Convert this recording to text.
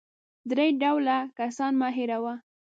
درې ډوله کسان مه هېروه .